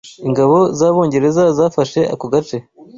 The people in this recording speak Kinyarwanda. Ingabo z’Abongereza zafashe ako gace.